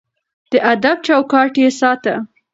د ادب چوکاټ يې ساته.